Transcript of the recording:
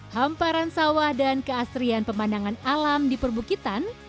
hamparan sawah dan keasrian pemandangan alam di perbukitan